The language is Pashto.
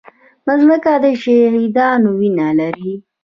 مځکه د شهیدانو وینه لري.